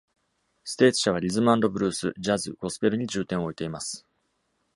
ステーツ社は、リズムアンドブルース、ジャズ、ゴスペルに重点を置いています。